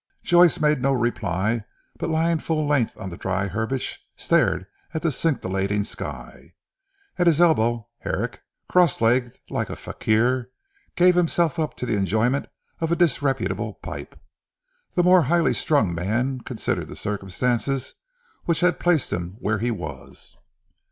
Joyce made no reply but lying full length on the dry herbage, stared at the scintillating sky. At his elbow, Herrick, cross legged like a fakir, gave himself up to the enjoyment of a disreputable pipe. The more highly strung man considered the circumstances which had placed him where he was.